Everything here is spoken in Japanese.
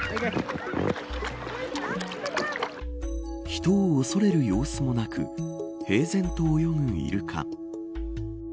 人を恐れる様子もなく平然と泳ぐイルカ。